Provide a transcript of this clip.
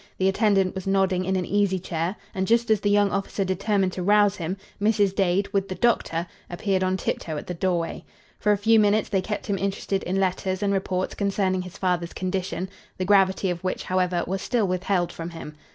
The attendant was nodding in an easy chair; and, just as the young officer determined to rouse him, Mrs. Dade, with the doctor, appeared on tiptoe at the doorway. For a few minutes they kept him interested in letters and reports concerning his father's condition, the gravity of which, however, was still withheld from him.